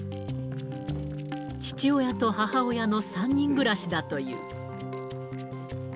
父親と母親の３人暮らしだという。